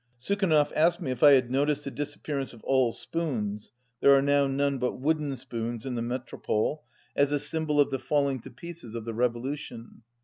Sukhanov asked me if I had noticed the disappearance of all spoons (there are now none but wooden spoons in the Metropole) as a symbol 202 of the falling to pieces of the revolution.